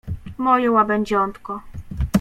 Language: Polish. Moje łabędziątko.